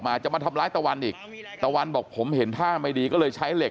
จะมาทำร้ายตะวันอีกตะวันบอกผมเห็นท่าไม่ดีก็เลยใช้เหล็ก